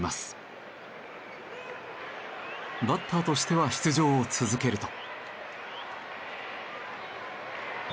バッターとしては出場を続けると。